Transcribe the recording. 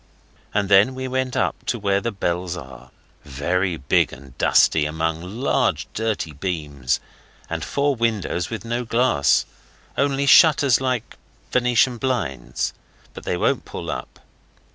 And then we went up to where the bells are, very big and dusty among large dirty beams; and four windows with no glass, only shutters like Venetian blinds, but they won't pull up.